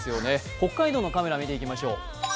北海道のカメラ見ていきましょう。